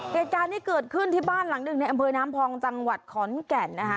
เหตุการณ์ที่เกิดขึ้นที่บ้านหลังหนึ่งในอำเภอน้ำพองจังหวัดขอนแก่นนะคะ